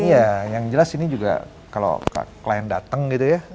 iya yang jelas ini juga kalau klien datang gitu ya